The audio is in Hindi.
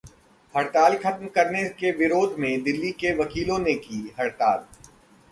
हड़ताल खत्म करने के विरोध में दिल्ली के वकीलों ने की हड़ताल...